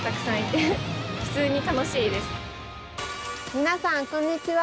皆さんこんにちは！